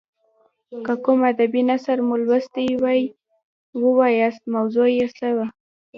که کوم ادبي نثر مو لوستی وي ووایاست موضوع یې څه وه.